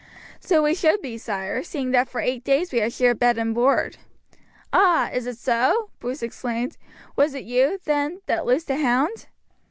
"So we should be, sire, seeing that for eight days we have shared bed and board." "Ah! is it so?" Bruce exclaimed. "Was it you, then, that loosed the hound?"